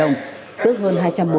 bằng chứng chỉ chuyên môn